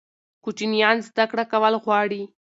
کوچنیان زده کړه کول غواړي.